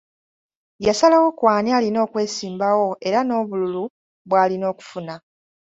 Yasalawo ku ani alina okwesimbawo era n’obululu bw’alina okufuna.